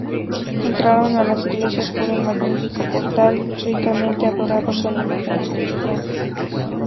Entraron a las iglesia por un magnífico portal, ricamente adornado con imágenes cristianas.